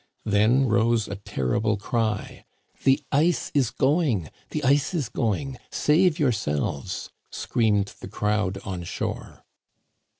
Then rose a terrible cry. " The ice is going ! the ice is going ! save yourselves !" screamed the crowd on shore.